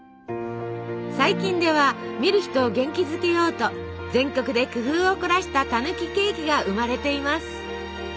最近では見る人を元気づけようと全国で工夫を凝らしたたぬきケーキが生まれています。